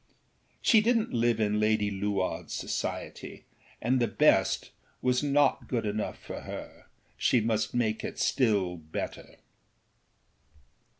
She didnât live in Lady Luardâs society, and the best was not good enough for herâshe must make it still better.